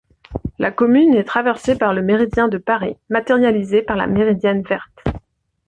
La commune est traversée par le méridien de Paris, matérialisé par la méridienne verte.